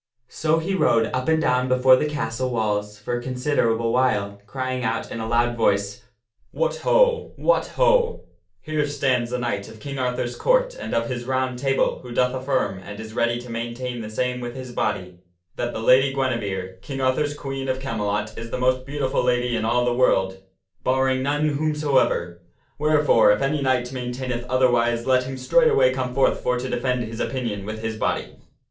So he rode up and down before the castle walls for a considerable while crying in a loud voice, " What ho! What ho ! Here stands a knight of King Arthur's Court and of his Round Table who doth affirm, and is ready to maintain the same sir Pe u ias issues with his body, that the Lady Guinevere, King Arthur's Queen challenge to Sir of Camelot, is the most beautiful lady in all of the vror\d, n * amore ' barring none whomsoever. Wherefore, if any knight maintaineth other wise, let him straightway come forth for to defend his opinion with his body."